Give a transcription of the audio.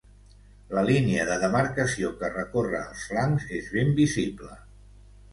La línia de demarcació que recorre els flancs és ben visible.